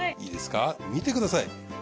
いいですか見てください。